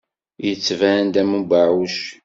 Yettban-d am ubeɛɛuc.